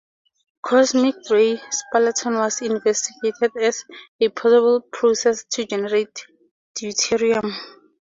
Cosmic ray spallation was investigated as a possible process to generate deuterium.